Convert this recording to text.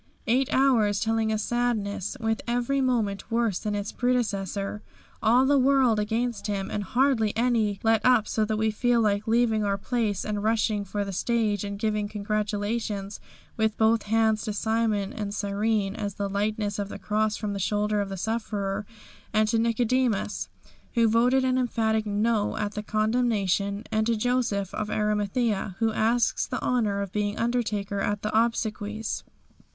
Eight hours telling a sadness, with every moment worse than its predecessor. All the world against Him, and hardly any let up so that we feel like leaving our place and rushing for the stage and giving congratulations with both hands to Simon of Cyrene as he lightens the Cross from the shoulder of the sufferer, and to Nicodemus who voted an emphatic "No" at the condemnation, and to Joseph of Arimathea who asks the honour of being undertaker at the obsequies.